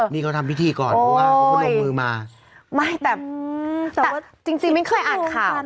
นี่เขาทำพิธีก่อนเพราะว่าเขาก็ลงมือมาไม่แต่แต่ว่าจริงจริงมิ้นเคยอ่านข่าว